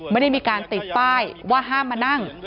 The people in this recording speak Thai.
ไม่ได้มีการติดป้ายว่าห้ามมานั่ง